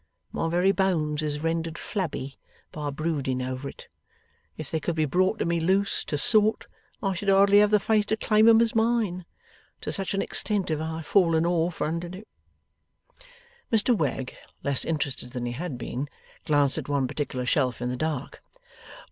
My very bones is rendered flabby by brooding over it. If they could be brought to me loose, to sort, I should hardly have the face to claim 'em as mine. To such an extent have I fallen off under it.' Mr Wegg, less interested than he had been, glanced at one particular shelf in the dark.